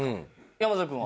山添君は？